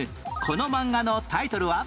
この漫画のタイトルは？